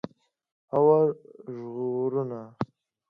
🚒 اور ژغورنه